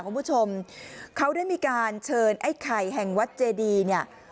คุณผู้ชมเขาได้มีการเชิญไอ้ไข่แห่งวัดเจดีเนี่ย